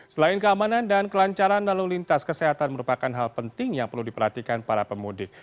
selain keamanan dan kelancaran lalu lintas kesehatan merupakan hal penting yang perlu diperhatikan para pemudik